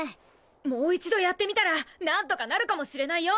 もう一度やってみたら何とかなるかもしれないよ！